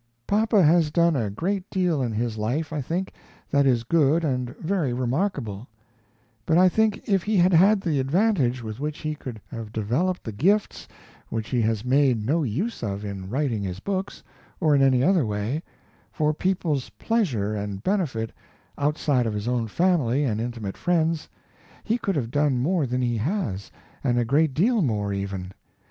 Papa has done a great deal in his life I think that is good and very remarkable, but I think if he had had the advantages with which he could have developed the gifts which he has made no use of in writing his books, or in any other way, for peoples' pleasure and benefit outside of his own family and intimate friends, he could have done more than he has, and a great deal more, even.